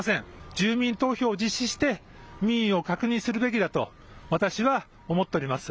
住民投票を実施して民意を確認するべきだと私は思っております。